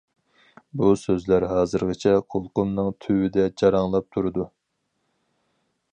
بۇ سۆزلەر ھازىرغىچە قۇلىقىمنىڭ تۈۋىدە جاراڭلاپ تۇرىدۇ.